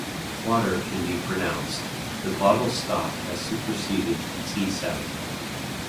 'Water' can be pronounced - the glottal stop has superseded the 't' sound.